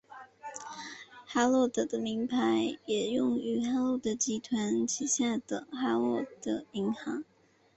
哈洛德的品牌名也用于哈洛德集团旗下的哈洛德银行。